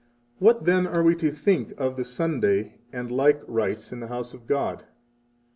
53 What, then, are we to think of the Sunday and like rites in the house of God?